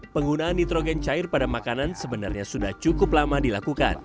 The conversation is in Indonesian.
penggunaan nitrogen cair pada makanan sebenarnya sudah cukup lama dilakukan